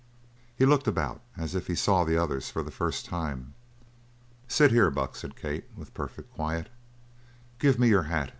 He looked about as if he saw the others for the first time. "Sit here, Buck," said Kate, with perfect quiet. "Give me your hat.